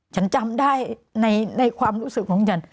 ฉันจำได้ในความรู้สึกของฉัน